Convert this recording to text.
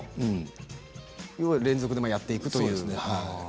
１人ずつを連続でやっていくという。